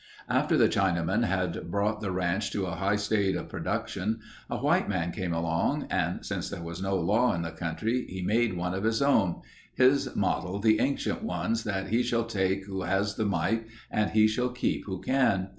After the Chinaman had brought the ranch to a high state of production a white man came along and since there was no law in the country, he made one of his own—his model the ancient one that "He shall take who has the might and he shall keep who can."